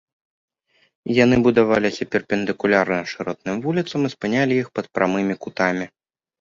Яны будаваліся перпендыкулярна шыротным вуліцам і спынялі іх пад прамымі кутамі.